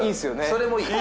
それもいい。